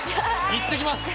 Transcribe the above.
行ってきます！